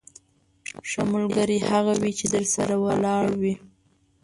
ښه ملګری هغه وي چې درسره ولاړ وي.